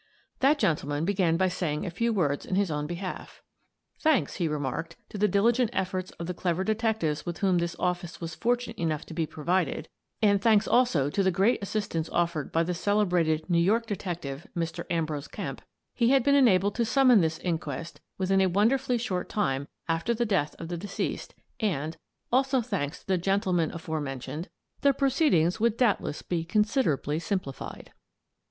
That gentleman began by saying a few words in his own behalf. Thanks, he remarked, to the dili gent efforts of the clever detectives with whom his office was fortunate enough to be provided, and The Inquest 167 ==3=5====:=====:=========================== thanks also to the great assistance offered by the celebrated New York detective, Mr. Ambrose Kemp, he had been enabled to summon this inquest within a wonderfully short time after the death of the deceased and, also thanks to the gentlemen aforementioned, the proceedings would doubtless be considerably simplified.